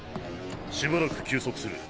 しばらく休息する。